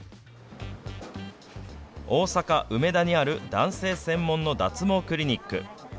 大阪・梅田にある男性専門の脱毛クリニック。